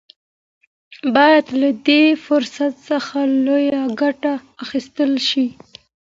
باید له دې فرصت څخه لویه ګټه واخیستل شي.